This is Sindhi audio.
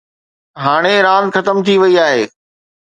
هاڻي راند ختم ٿي وئي آهي.